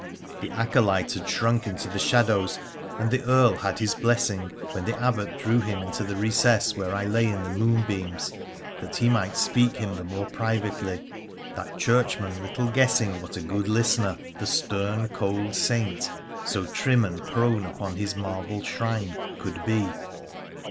The acolyte had shrunk into the shadows, and the Earl had had his blessing, when the Abbot drew him into the recess where I lay in the moonbeams, that he might speak him the more privately — that Churchman little guessing what a good listener the stern, cold saint, so trim and prone upon his marble shrine, could be